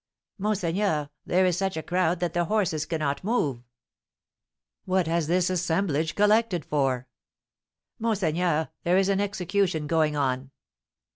"Monseigneur, there is such a crowd that the horses cannot move." "What has this assemblage collected for?" "Monseigneur, there is an execution going on."